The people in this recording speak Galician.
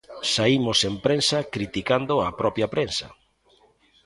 Saímos en prensa criticando a propia prensa.